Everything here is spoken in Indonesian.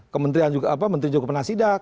kementerian juga apa menteri juga pernah sidak